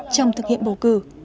trong thực hiện bầu cử